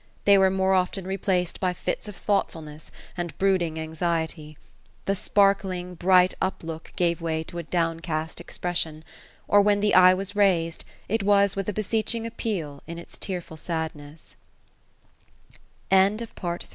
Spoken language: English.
They were more often replaced by fits of thoughtfulness, and brooding anxiety. The sparkling, bright up look, gave way to a downcast expression ; or when the eye was raised, it was with a beseeching app